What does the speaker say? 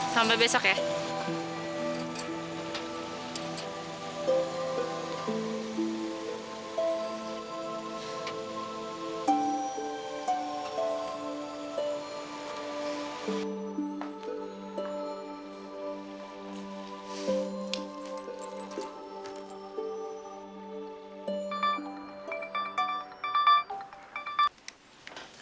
sampai besok ya